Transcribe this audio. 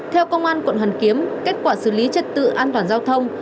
theo công an quận hoàn kiếm kết quả xử lý trật tự an toàn giao thông